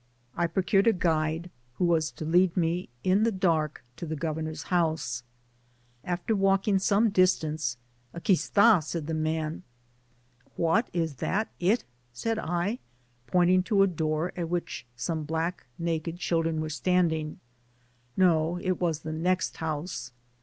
I procured a guide, who was to lead me in the dark to the Governor's house. After walking some" distance, "Aqui std,*" said the man. What ! is that it ?^ said I, pointing to a door at which some black naked children were standing. — No, it was the next house.